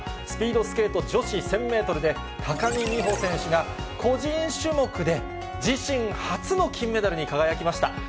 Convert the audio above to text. スピードスケート女子１０００メートルで、高木美帆選手が個人種目で自身初の金メダルに輝きました。